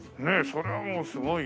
それはもうすごいねえ。